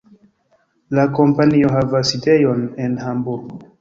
La kompanio havas sidejon en Hamburgo.